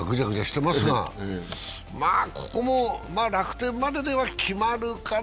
ここも楽天までで決まるかな。